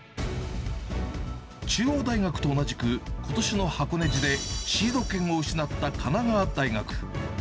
中央大学と同じく、ことしの箱根路でシード権を失った神奈川大学。